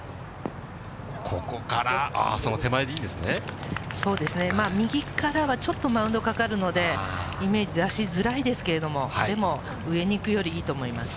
ここから、その手前でそうですね、右からはちょっとマウンドかかるので、イメージ出しづらいですけれども、でも、上に行くよりいいと思います。